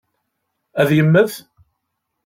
Ad yemmet?